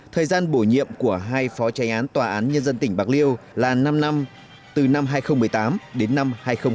thời gian bổ nhiệm của hai phó tránh án tòa án nhân dân tỉnh bạc liêu là năm năm từ năm hai nghìn một mươi tám đến năm hai nghìn một mươi chín